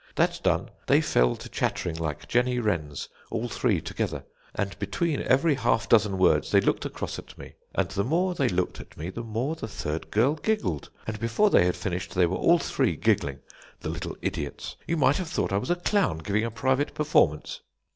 That done, they fell to chattering like Jenny Wrens, all three together; and between every half dozen words they looked across at me; and the more they looked at me the more the third girl giggled; and before they had finished they were all three giggling, the little idiots; you might have thought I was a clown, giving a private performance.